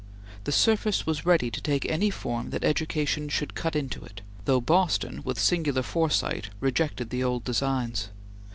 The surface was ready to take any form that education should cut into it, though Boston, with singular foresight, rejected the old designs.